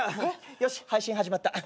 よし配信始まった。